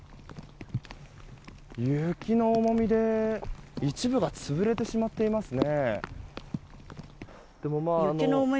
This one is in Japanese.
雪の重みで一部が潰れてしまっていますね。